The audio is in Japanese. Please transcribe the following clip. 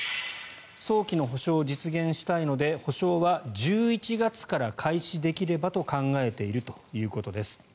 早期の補償を実現したいので補償は１１月から開始できればと考えているということです。